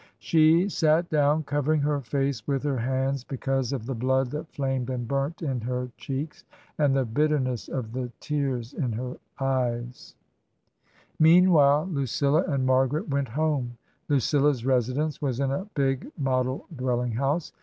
She sat down, covering her face with her hands be cause of the blood that flamed and burnt in her cheeks and the bitterness of the tears in her eyes. TRANSITION. 77 Meanwhile, Lucilla and Margaret went home. Lucilla's residence was in a big model dwelling house.